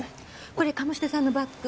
これ鴨志田さんのバッグ。